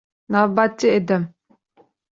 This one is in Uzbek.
Navbatchi edim.